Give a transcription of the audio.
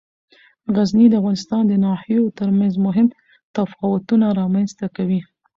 غزني د افغانستان د ناحیو ترمنځ مهم تفاوتونه رامنځ ته کوي.